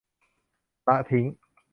ละทิ้ง